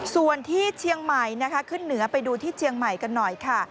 ส่วนที่เชียงใหม่นะคะขึ้นเหนือไปดูที่เชียงใหม่กันหน่อยค่ะ